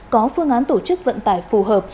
có phương án tổ chức vận tải phù hợp